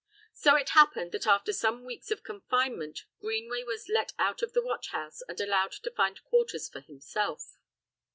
So it happened, that after some weeks of confinement Greenway was let out of the watch house and allowed to find quarters for himself.